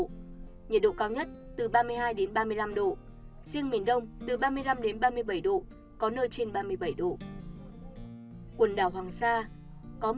khu vực nam bộ có mây ngày nắng có nắng nóng riêng miền đông có nắng nóng đêm không mưa gió đông bắc đến đông cấp ba cấp ba